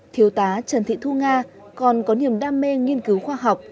thiếu tá trần thị thu nga còn có niềm đam mê nghiên cứu khoa học